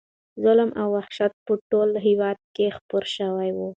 ظلم او وحشت په ټول هېواد کې خپور شوی و.